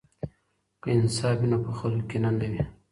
که انصاف وي نو په خلکو کې کینه نه وي.